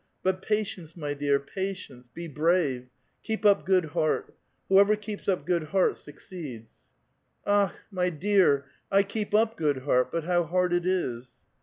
But patience, my dear, patience ! Be brave. Keep up good heart; whoever keeps up good heart suc ceeds !"*'*' Akh! my dear, I keep up good heart, but how hard it is!"